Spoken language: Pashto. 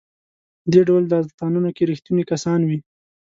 په دې ډول داستانونو کې ریښتوني کسان وي.